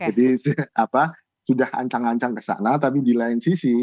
jadi sudah ancang ancang ke sana tapi di lain sisi